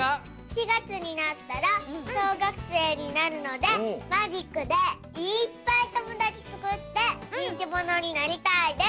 ４がつになったらしょうがくせいになるのでマジックでいっぱいともだちつくってにんきものになりたいです。